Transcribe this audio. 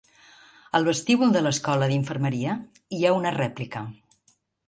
Al vestíbul de l'Escola d'Infermeria hi ha una rèplica.